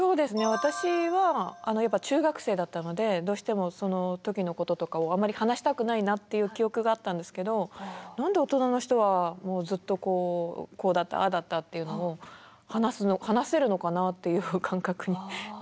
私はやっぱ中学生だったのでどうしてもその時のこととかをあまり話したくないなっていう記憶があったんですけど何で大人の人はもうずっとこうこうだったああだったっていうのを話すの話せるのかなっていう感覚になっていましたね。